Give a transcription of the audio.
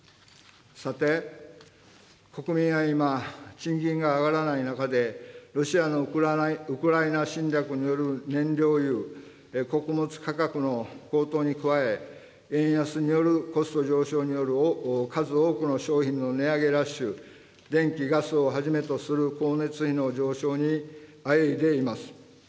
さて、国民は今、賃金が上がらない中で、ロシアのウクライナ侵略による燃料油、穀物価格の高騰に加え、円安によるコスト上昇による数多くの商品の値上げラッシュ、電気・ガスをはじめとする光熱費の上昇にあえいでいます。